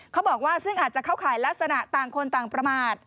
เขาบอกว่าซึ่งอาจจะเข้าข่ายลักษณะต่างคนต่างประมาท